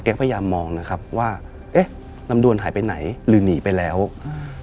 พยายามมองนะครับว่าเอ๊ะลำดวนหายไปไหนหรือหนีไปแล้วอืม